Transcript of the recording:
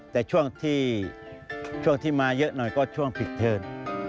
แต่ช่วงที่มาเยอะหน่อยก็ช่วงผิดเทิร์น